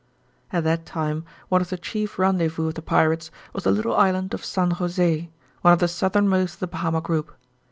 At that time one of the chief rendezvous of the pirates was the little island of San José, one of the southernmost of the Bahama group.